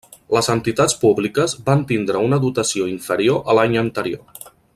Les entitats públiques van tindre una dotació inferior a l'any anterior.